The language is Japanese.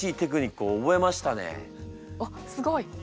あっすごい。